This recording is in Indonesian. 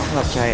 aku gak percaya